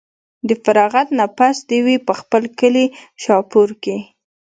د فراغت نه پس دوي پۀ خپل کلي شاهپور کښې